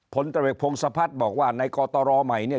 ผลตรวจพงศพัฒน์บอกว่าในกตรใหม่เนี่ย